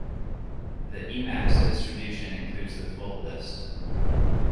The Emacs distribution includes the full list.